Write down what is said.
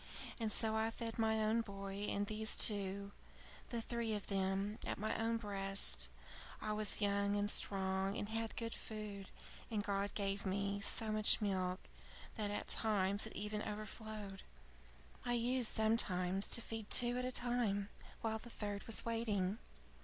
And so I fed my own boy and these two the three of them at my own breast. I was young and strong, and had good food, and God gave me so much milk that at times it even overflowed. I used sometimes to feed two at a time, while the third was waiting.